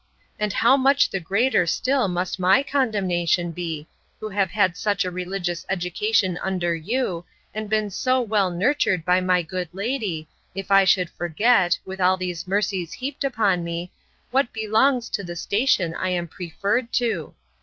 —And how much the greater still must my condemnation be, who have had such a religious education under you, and been so well nurtured by my good lady, if I should forget, with all these mercies heaped upon me, what belongs to the station I am preferred to!